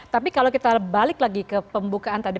tapi kalau kita balik lagi ke pembukaan tadi